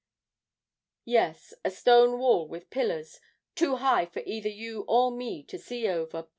'Yes, a stone wall with pillars, too high for either you or me to see over.